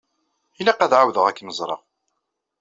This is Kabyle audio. Ilaq ad ɛawdeɣ ad kem-ẓreɣ.